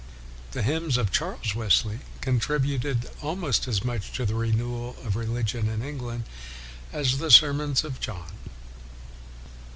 The hymns of Charles Wesley contributed almost as much to the renewal of religion in England as the sermons of John.